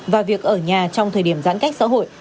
và việc ở nhà trong thời điểm giãn cách xã hội